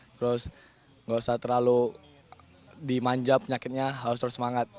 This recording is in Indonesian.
terus gak usah terlalu dimanjap penyakitnya harus terus semangat